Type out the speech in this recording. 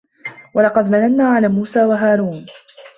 وَلَقَد مَنَنّا عَلى موسى وَهارونَ